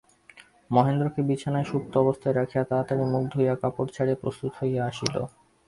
মহেন্দ্রকে বিছানায় সুপ্ত অবস্থায় রাখিয়া তাড়াতাড়ি মুখ ধুইয়া কাপড় ছাড়িয়া প্রস্তুত হইয়া আসিল।